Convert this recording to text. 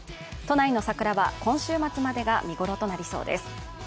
都内の桜は、今週末までが見頃となりそうです。